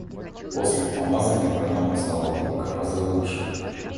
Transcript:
После помазания больному стало вдруг гораздо лучше.